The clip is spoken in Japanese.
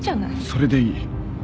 それでいい